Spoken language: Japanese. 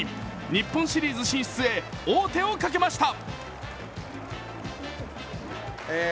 日本シリーズ進出へ王手をかけました。